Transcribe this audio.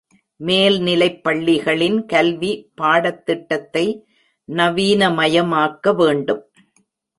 மேல்நிலைப் பள்ளிகளின் கல்வி பாடத்திட்டத்தை நவீனமயமாக்க வேண்டும்.